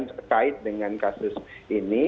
terkait dengan kasus ini